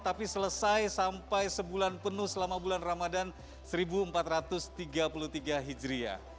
tapi selesai sampai sebulan penuh selama bulan ramadan seribu empat ratus tiga puluh tiga hijriah